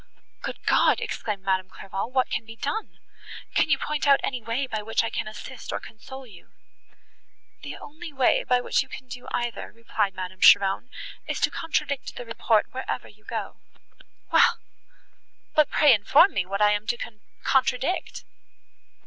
"Good God!" exclaimed Madame Clairval, "what can be done? Can you point out any way, by which I can assist, or console you?" "The only way, by which you can do either," replied Madame Cheron, "is to contradict the report wherever you go." "Well! but pray inform me what I am to contradict."